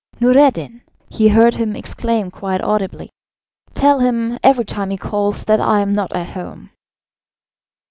"Noureddin!" he heard him exclaim quite audibly. "Tell him, every time he calls, that I am not at home."